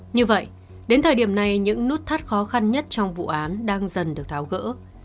như vậy đến thời điểm này những nút thắt khó khăn nhất trong vụ án đang dần được tháo gỡ